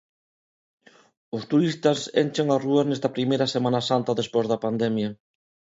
Os turistas enchen as rúas nesta primeira Semana Santa despois da pandemia.